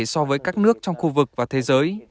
so với các nước trong khu vực và thế giới